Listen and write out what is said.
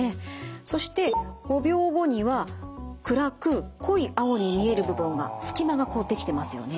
そして５秒後には暗く濃い青に見える部分が隙間が出来てますよね。